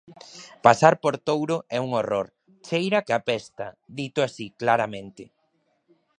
Pasar por Touro é un horror, ¡cheira que apesta!, dito así, claramente.